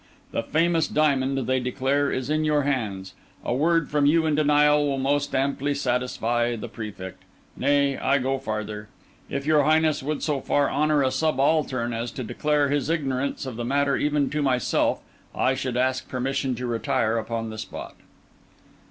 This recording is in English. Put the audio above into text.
The famous diamond, they declare, is in your hands. A word from you in denial will most amply satisfy the Prefect; nay, I go farther: if your Highness would so far honour a subaltern as to declare his ignorance of the matter even to myself, I should ask permission to retire upon the spot."